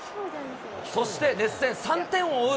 そして熱戦、３点を追う